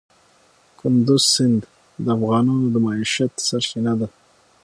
کندز سیند د افغانانو د معیشت سرچینه ده.